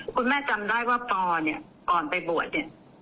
คุณแม่จำได้ว่าปอเนี่ยก่อนไปบวชเนี่ย